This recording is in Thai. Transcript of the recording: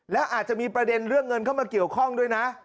และอาจจะมีประเด็นเรื่องเงินเข้ามาเกี่ยวข้องด้วยนะ